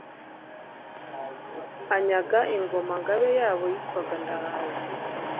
anyaga Ingoma–ngabe yabo yitwaga Ndahaze.